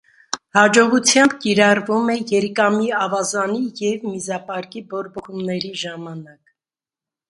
Հաջողությամբ կիրառվում է երիկամի ավազանի և միզապարկի բորբոքումների ժամանակ։